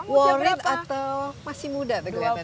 walrid atau masih muda